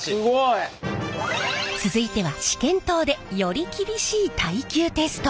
続いては試験棟でより厳しい耐久テスト！